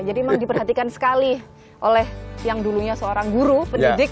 jadi memang diperhatikan sekali oleh yang dulunya seorang guru pendidik